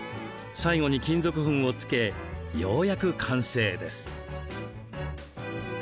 最後に金属粉をつけようやく完成です。